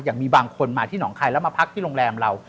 อย่างมีบางคนมาที่หนองคายแล้วมาพักที่โรงแรมเรา